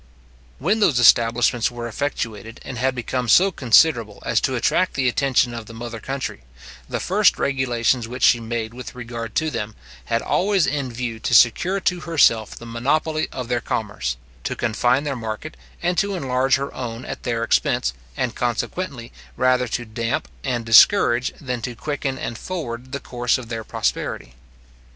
When those establishments were effectuated, and had become so considerable as to attract the attention of the mother country, the first regulations which she made with regard to them, had always in view to secure to herself the monopoly of their commerce; to confine their market, and to enlarge her own at their expense, and, consequently, rather to damp and discourage, than to quicken and forward the course of their prosperity.